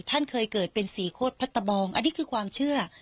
ท่านเคยเกิดเป็นสี่โคตรพัตตะบองอันนี้คือความเชื่อ